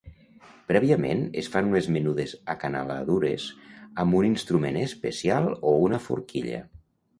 Prèviament es fan unes menudes acanaladures amb un instrument especial o una forquilla.